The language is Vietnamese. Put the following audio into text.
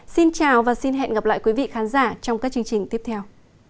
xin chào và xin hẹn gặp lại quý vị khán giả trong các chương trình tiếp theo